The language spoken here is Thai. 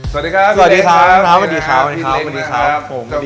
สวัสดีครับพี่เล็กครับสวัสดีครับสวัสดีครับพี่เล็กนะครับ